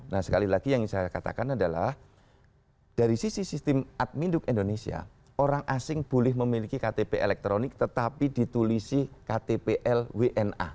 nah sekali lagi yang saya katakan adalah dari sisi sistem adminduk indonesia orang asing boleh memiliki ktp elektronik tetapi ditulisi ktpl wna